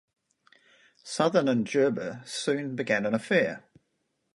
Southern and Gerber soon began an affair.